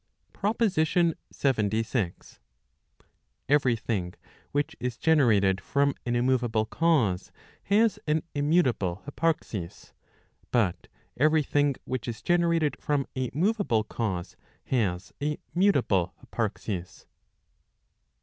PROPOSITION LXXVI. Every thing which is generated from an immoveable cause, has aa immutable hyparxis. But every thing which is generated from a move able cause, has a mutable hyparxis.